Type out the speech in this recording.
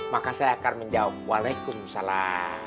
maka saya akan menjawab walaikum salam